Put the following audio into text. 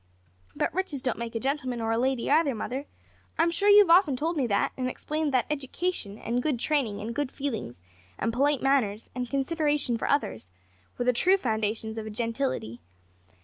But riches don't make a gentleman or a lady either, mother; I'm sure you've often told me that, and explained that education, and good training, and good feelings, and polite manners, and consideration for others, were the true foundations of gentility.